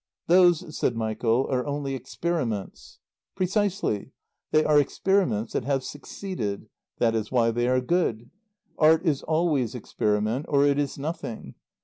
"Those," said Michael, "are only experiments." "Precisely. They are experiments that have succeeded. That is why they are good. Art is always experiment, or it is nothing.